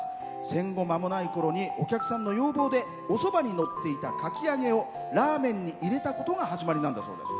戦後まもないころにお客さんの要望でおそばにのっていた、かき揚げをラーメンに入れたことが始まりなんだそうです。